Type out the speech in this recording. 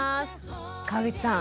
川口さん